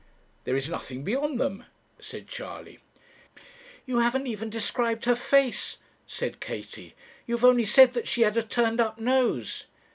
'There is nothing beyond them,' said Charley. 'You haven't even described her face,' said Katie; 'you have only said that she had a turned up nose.'